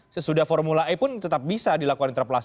sesudah formula e pun tetap bisa dilakukan interpelasi